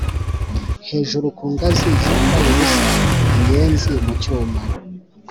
hejuru ku ngazi zambaye ubusa, inyenzi mu cyuma,